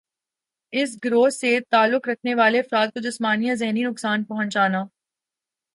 اس گروہ سے تعلق رکھنے والے افراد کو جسمانی یا ذہنی نقصان پہنچانا